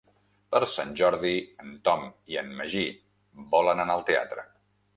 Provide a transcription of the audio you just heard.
Per Sant Jordi en Tom i en Magí volen anar al teatre.